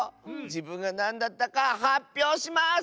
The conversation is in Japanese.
じぶんがなんだったかはっぴょうします！